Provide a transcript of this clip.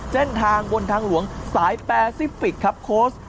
เส้นทางบนทางหลวงสายแปซิฟิกครับโค้ช